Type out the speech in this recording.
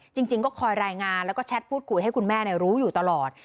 จริงก็คอยรายงานแล้วก็แชทพูดคุยให้คุณแม่รู้อยู่ตลอด